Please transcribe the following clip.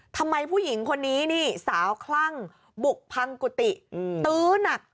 ทำไมผู้หญิงคนนี้นี่สาวคลั่งบุกพังกุฏิตื้อหนัก